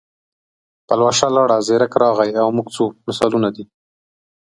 پلوشه لاړه، زیرک راغی او موږ ځو مثالونه دي.